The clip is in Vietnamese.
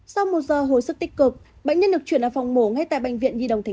sau một giờ hồi sức tích cực bệnh nhân được chuyển vào phòng mổ ngay tại bệnh viện nguy đồng tp hcm